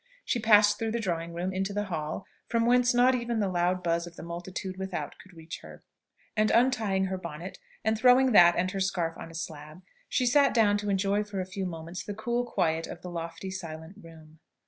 She passed through the drawing room into the hall, from whence not even the loud buzz of the multitude without could reach her; and untying her bonnet, and throwing that and her scarf on a slab, she sat down to enjoy for a few moments the cool quiet of the lofty silent room.